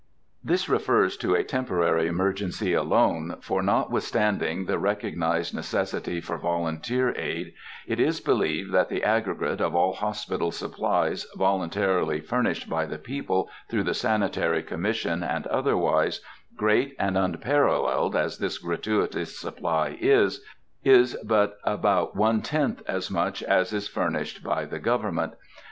_" This refers to a temporary emergency alone, for, notwithstanding the recognized necessity for volunteer aid, it is believed that the aggregate of all hospital supplies voluntarily furnished by the people through the Sanitary Commission and otherwise, great and unparalleled as this gratuitous supply is, is but about one tenth as much as is furnished by government.